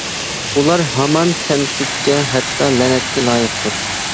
ئۇلار ھامان تەنقىدكە، ھەتتا لەنەتكە لايىقتۇر.